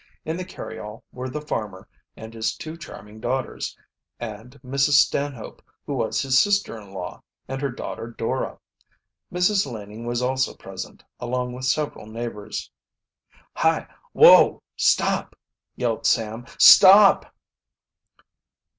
In the carryall were the farmer and his two charming daughters, and, Mrs. Stanhope, who was his sister in law, and her daughter Dora. Mrs. Laning was also present, along with several neighbors. "Hi, whoa! stop!" yelled Sam. "Stop!"